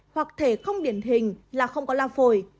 hoặc thể không điển hình là không có la phổi